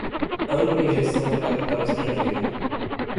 ampla injeção de capital estrangeiro